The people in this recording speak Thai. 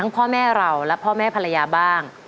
พ่อแม่ภรรยาบ้าง